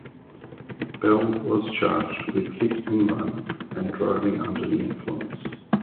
Bell was charged with hit and run and driving under the influence.